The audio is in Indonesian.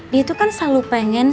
dia itu kan selalu pengen